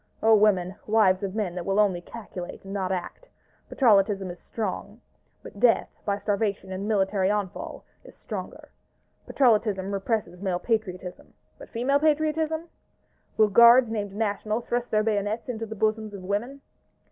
O women, wives of men that will only calculate and not act! Patrollotism is strong; but Death, by starvation and military onfall, is stronger. Patrollotism represses male Patriotism: but female Patriotism? Will Guards named National thrust their bayonets into the bosoms of women?